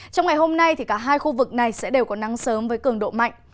trong ngày hôm nay cả hai khu vực này sẽ đều có nắng sớm với cường độ mạnh